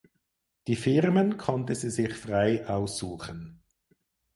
Die Firmen konnte sie sich frei aussuchen.